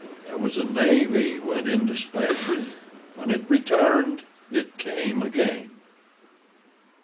There was a navy went into Spain, When it returned, it came again.